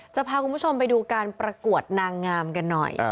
จะพาคุณผู้ชมไปดูการประกวดนางงามกันหน่อย